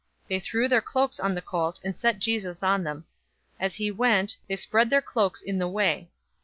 They threw their cloaks on the colt, and set Jesus on them. 019:036 As he went, they spread their cloaks in the way.